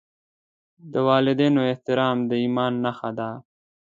د والدینو احترام د ایمان نښه ده.